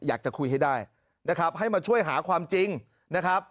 อยากจะคุยให้ได้นะครับให้มาช่วยหาความจริงนะครับ